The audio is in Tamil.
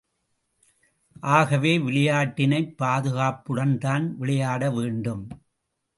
ஆகவே, விளையாட்டினைப் பாதுகாப்புடன்தான் விளையாட வேண்டும்.